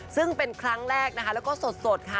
ซึ่งเป็นครั้งแรกนะคะแล้วก็สดค่ะ